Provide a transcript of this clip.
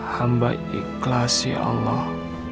hamba ikhlas ya allah